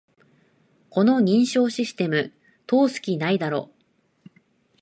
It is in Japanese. この認証システム、通す気ないだろ